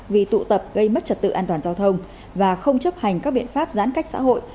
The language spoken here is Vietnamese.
vì tụ tập gây mất trật tự an toàn giao thông và không chấp hành các biện pháp giãn cách xã hội